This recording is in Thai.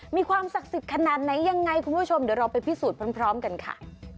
มีความศักดิ์สิทธิ์ขนาดไหนยังไงคุณผู้ชมเดี๋ยวเราไปพิสูจน์พร้อมกันค่ะ